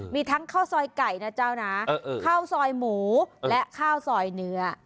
มีทั้งข้าวซอยไก่นะเจ้านะข้าวซอยหมูและข้าวซอยเนื้อ